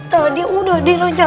tadi udah di roncan